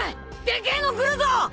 でけえの来るぞ！